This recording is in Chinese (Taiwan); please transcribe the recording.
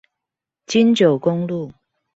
金九公路